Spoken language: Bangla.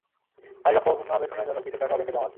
বাড়ির রক্ষণাবেক্ষণের জন্যে কিছু টাকাও ব্যাঙ্কে জমা আছে।